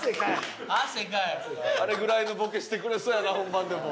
あれぐらいのボケしてくれそうやな本番でも。